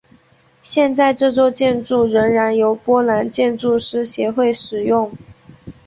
现在这座建筑仍然由波兰建筑师协会使用。